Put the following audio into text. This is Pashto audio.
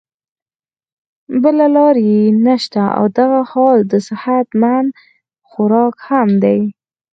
بله لار ئې نشته او دغه حال د صحت مند خوراک هم دے